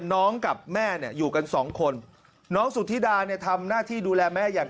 น้องกับแม่อยู่กัน๒คนน้องสุธิดาทำหน้าที่ดูแลแม่อย่าง